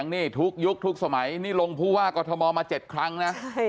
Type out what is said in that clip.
นี่ลงภูว่ากอทมมา๗ครั้งนะ